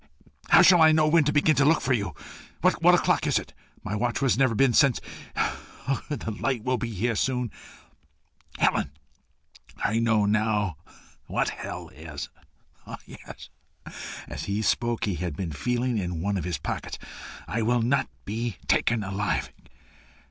How shall I know when to begin to look for you? What o'clock is it? My watch has never been since . Ugh! the light will be here soon. Helen, I know now what hell is. Ah! Yes." As he spoke he had been feeling in one of his pockets. "I will not be taken alive.